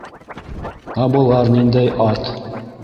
Ә былар ниндәй ат?